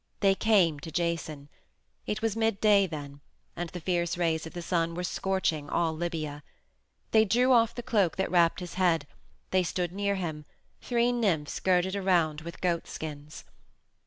They came to Jason. It was midday then, and the fierce rays of the sun were scorching all Libya. They drew off the cloak that wrapped his head; they stood near him, three nymphs girded around with goatskins.